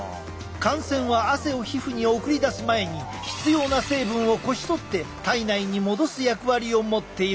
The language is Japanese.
汗腺は汗を皮膚に送り出す前に必要な成分をこしとって体内に戻す役割を持っているのだ。